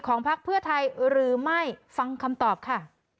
พักเพื่อไทยหรือไม่ฟังคำตอบค่ะ